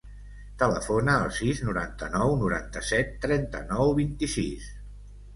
Telefona al sis, noranta-nou, noranta-set, trenta-nou, vint-i-sis.